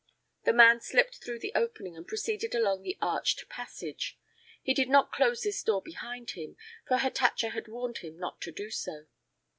The man slipped through the opening and proceeded along the arched passage. He did not close this door behind him, for Hatatcha had warned him not to do so.